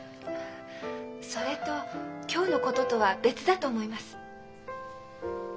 それと今日のこととは別だと思います。